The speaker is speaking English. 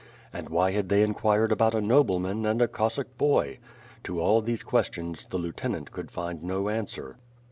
And why had they enquired about a nobleman and a Cossack boy? To all these questions, the lieutenant could find no answer.